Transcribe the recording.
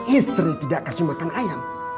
istri tidak kasih makan ayam